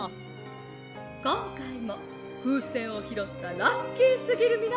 「こんかいもふうせんをひろったラッキーすぎるみなさん